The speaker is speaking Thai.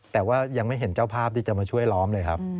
แต่ว่ายังไม่เห็นเจ้าภาพที่จะมาช่วยล้อมเลยครับ